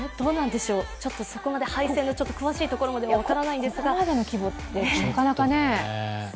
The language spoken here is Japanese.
ちょっとそこまで、配線の詳しいところまでは分からないんですがここまでの規模って、なかなかね。